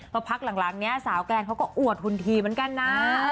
เพราะพักหลังเนี่ยสาวแกรนเขาก็อวดหุ่นทีเหมือนกันนะ